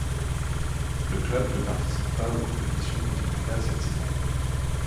Le club ne participe pas aux compétitions continentales cette saison.